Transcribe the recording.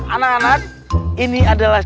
anak anak ini adalah